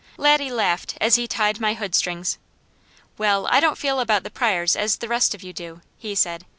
Laddie laughed as he tied my hood strings. "Well I don't feel about the Pryors as the rest of you do," he said.